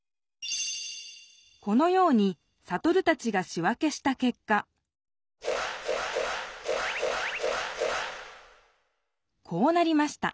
このようにサトルたちがし分けしたけっかこうなりました。